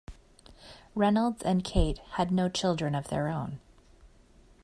Reynolds and Kate had no children of their own.